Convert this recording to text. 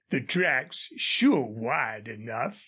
"The track's sure wide enough."